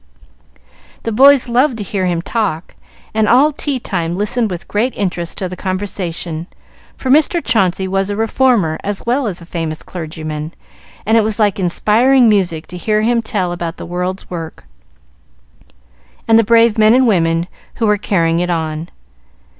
The boys loved to hear him talk, and all tea time listened with interest to the conversation, for Mr. Chauncey was a reformer as well as a famous clergyman, and it was like inspiring music to hear him tell about the world's work, and the brave men and women who were carrying it on.